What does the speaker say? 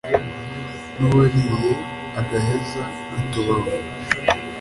N'uwayiriye agaheza utubavu,